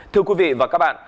thưa quý vị và các bạn